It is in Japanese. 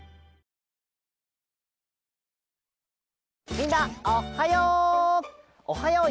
みんなおっはよう！